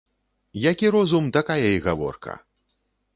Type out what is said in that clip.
Які розум, такая і гаворка